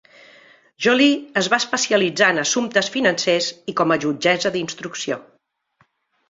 Joly es va especialitzar en assumptes financers i com a jutgessa d'instrucció.